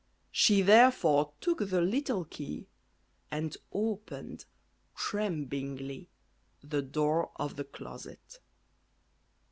She therefore took the little key and opened, tremblingly, the door of the closet.